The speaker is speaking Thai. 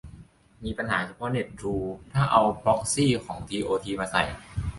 มีปัญหาเฉพาะเน็ต ทรู ถ้าเอาพร็อกซีของทีโอทีมาใส่